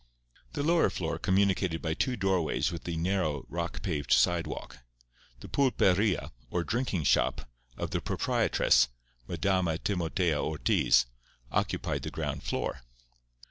The lower floor communicated by two doorways with the narrow, rock paved sidewalk. The pulperia—or drinking shop—of the proprietress, Madama Timotea Ortiz, occupied the ground floor.